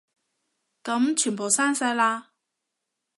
噉全部刪晒啦